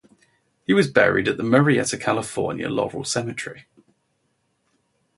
He was buried at the Murrieta, California, Laurel Cemetery.